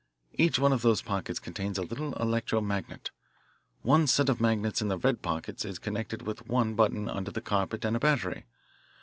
Each one of those pockets contains a little electro magnet. One set of magnets in the red pockets is connected with one button under the carpet and a battery.